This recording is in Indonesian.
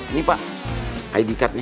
ini pak id card nih